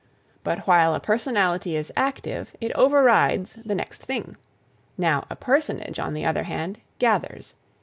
But while a personality is active, it overrides 'the next thing.' Now a personage, on the other hand, gathers.